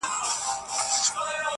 البته دې ورځو کي مي